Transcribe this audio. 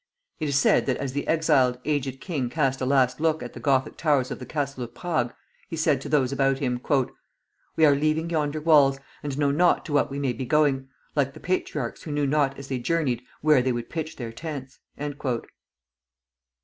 It is said that as the exiled, aged king cast a last look at the Gothic towers of the Castle of Prague, he said to those about him: "We are leaving yonder walls, and know not to what we may be going, like the patriarchs who knew not as they journeyed where they would pitch their tents." [Footnote 1: Memoirs of the Duchesse d'Angoulême.